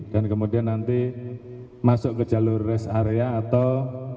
dan kemudian nanti masuk ke jalur res area atau